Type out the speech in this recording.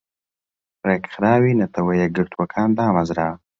رێکخراوی نەتەوە یەکگرتوەکان دامەزرا